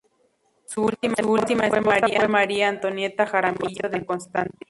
Su última esposa fue María Antonieta Jaramillo de Constante.